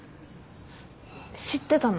知ってたの？